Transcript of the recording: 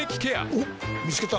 おっ見つけた。